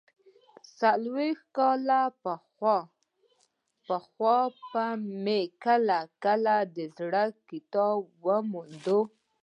څلوېښت کاله پخوا به مې کله کله د زړه کتاب وموند.